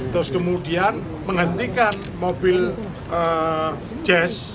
terus kemudian menghentikan mobil jazz